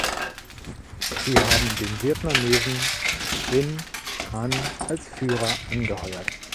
Sie haben den Vietnamesen Vinh Tran als Führer angeheuert.